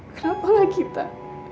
kenapa lagi tak